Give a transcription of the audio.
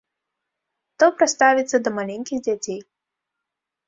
Добра ставіцца да маленькіх дзяцей.